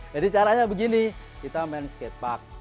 jadi caranya begini kita main skatepark